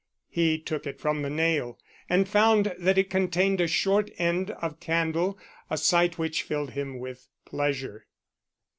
He took it from the nail, and found that it contained a short end of candle a sight which filled him with pleasure.